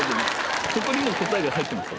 ここにもう答えが入ってます。